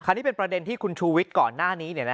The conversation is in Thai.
อันนี้เป็นประเด็นที่คุณชูวิทย์ก่อนหน้านี้